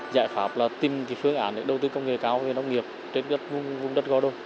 giải pháp là tìm cái phương án để đầu tư công nghệ cao về nông nghiệp trên vùng đất go đôi